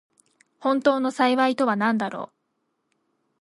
本当の幸いとはなんだろう。